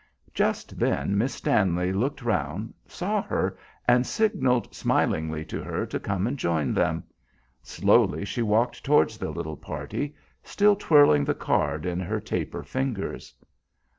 Just then Miss Stanley looked round, saw her, and signalled smilingly to her to come and join them. Slowly she walked towards the little party, still twirling the card in her taper fingers.